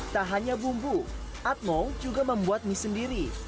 tak hanya bumbu atmo juga membuat mie sendiri